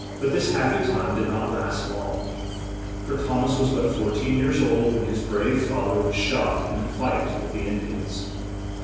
But this hap py time did not last long, for Thom as was but four teen years old when his brave fa ther was shot in a fight with the In di ans.